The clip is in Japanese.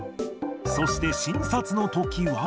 そして診察のときは。